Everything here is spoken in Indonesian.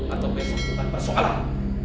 atau besok bukan persoalan